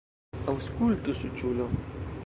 Aŭskultu, suĉulo!